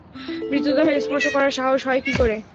মৃতদেহ স্পর্শ করার সাহস হয় কি করে?